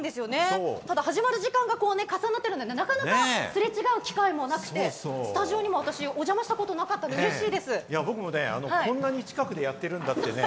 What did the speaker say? ただ始まる時間が重なってるので、なかなか、すれ違う機会もなくて、スタジオに私、お邪魔したことも僕もこんなに近くでやってるんだ！って。